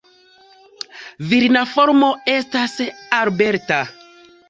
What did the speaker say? Virina formo estas "Alberta".